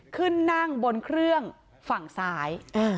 ขึ้นนั่งบนเครื่องฝั่งซ้าย